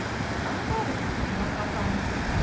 アンガールズの田中さん。